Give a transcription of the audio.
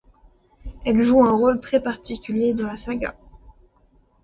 Elle joue un rôle très particulier dans la saga.